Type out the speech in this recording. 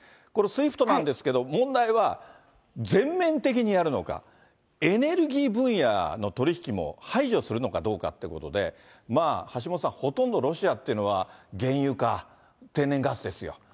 これ、ＳＷＩＦＴなんですけれども、問題は、全面的にやるのか、エネルギー分野の取り引きも排除するのかどうかということで、橋下さん、ほとんどロシアっていうのは、原油か天然ガスですよ。